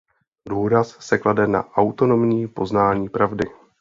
Důraz se klade na autonomní poznání pravdy.